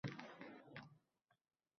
asoslarga ega bo‘lib